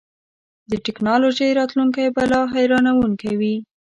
د ټیکنالوژۍ راتلونکی به لا حیرانوونکی وي.